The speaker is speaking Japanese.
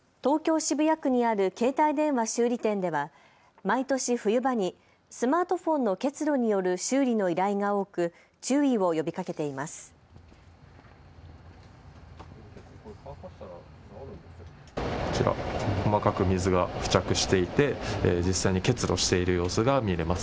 渋谷区にある携帯電話修理店では毎年冬場にスマートフォンの結露による修理の依頼が多く注意を呼びかけています。